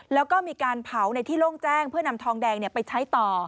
แล้วก็มีการเผาในที่โล่งแจ้งเพื่อนำทองแดงไปใช้ต่อ